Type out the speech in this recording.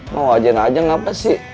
mau ajain aja ngapain sih